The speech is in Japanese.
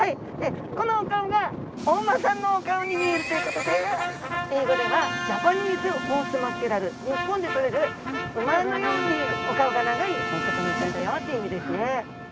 このお顔がお馬さんのお顔に見えるということで英語ではジャパニーズホースマッケレル日本でとれる馬のようにお顔が長いお魚ちゃんだよっていう意味ですね。